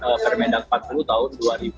dipermedak empat puluh tahun dua ribu dua puluh dua